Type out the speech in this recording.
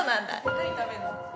何食べんの？